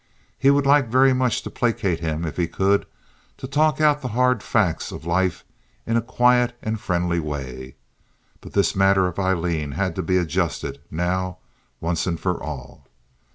He would like very much to placate him if he could, to talk out the hard facts of life in a quiet and friendly way. But this matter of Aileen had to be adjusted now once and for all.